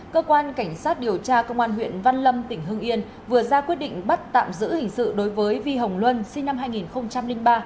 cơ quan cảnh sát điều tra công an huyện văn lâm tỉnh hưng yên vừa ra quyết định bắt tạm giữ hình sự đối với vi hồng luân sinh năm hai nghìn ba